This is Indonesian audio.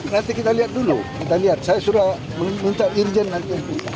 nanti kita lihat dulu saya sudah minta urgent nanti